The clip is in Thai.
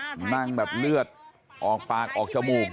แล้วป้าไปติดหัวมันเมื่อกี้แล้วป้าไปติดหัวมันเมื่อกี้